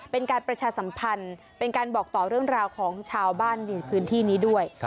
เป็นการประชาสัมพันธ์เป็นการบอกต่อเรื่องราวของชาวบ้านในพื้นที่นี้ด้วย